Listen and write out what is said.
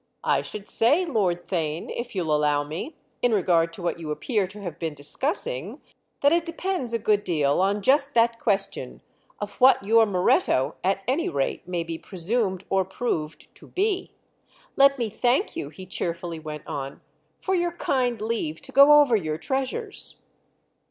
"I should say, Lord Theign, if you'll allow me, in regard to what you appear to have been discussing, that it depends a good deal on just that question—of what your Moretto, at any rate, may be presumed or proved to 'be.' Let me thank you," he cheerfully went on, "for your kind leave to go over your treasures."